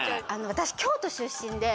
私京都出身で。